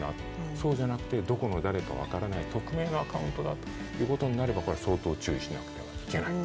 そうじゃなくて、どこの誰だか分からない匿名のアカウントだということになれば相当注意しなければいけない。